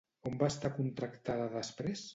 On va estar contractada després?